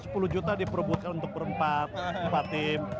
cuma sepuluh juta diperbuatkan untuk empat tim